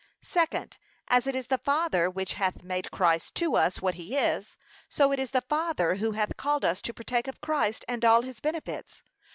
Second, As it is the Father which hath made Christ to us what he is; so it is the Father who hath called us to partake of Christ and all his benefits.